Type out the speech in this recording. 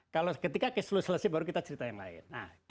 kalau ketika cash flow selesai baru kita cerita yang lain